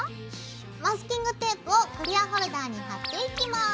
マスキングテープをクリアホルダーに貼っていきます。